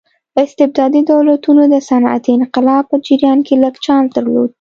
استبدادي دولتونو د صنعتي انقلاب په جریان کې لږ چانس درلود.